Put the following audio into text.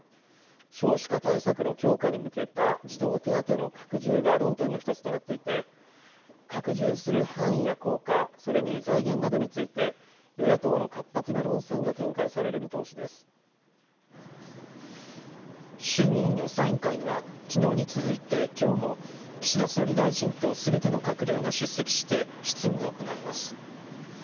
少子化対策の強化に向けた児童手当の拡充が論点の一つとなっていて、拡充する範囲や効果、それに財源などについて、与野党の活発衆議院予算委員会は、きのうに続いてきょうも、岸田総理大臣とすべての閣僚が出席して、質疑が行われます。